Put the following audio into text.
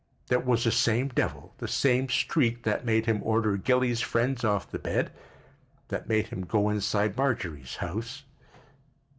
It was the same devil, the same streak that made him order Gilly's friends off the bed, that made him go inside Marjorie's house.